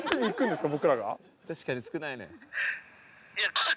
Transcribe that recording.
「確かに少ないね」